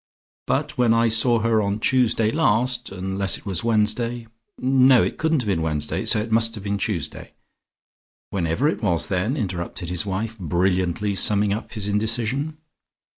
But when I saw her on Tuesday last, unless it was Wednesday, no, it couldn't have been Wednesday, so it must have been Tuesday " "Whenever it was then," interrupted his wife, brilliantly summing up his indecision.